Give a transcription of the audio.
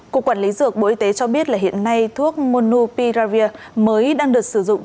cục quản lý dược bộ y tế cho biết hiện nay thuốc monopulvera mới đang được sử dụng